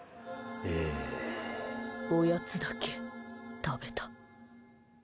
おやつだけ、食べた。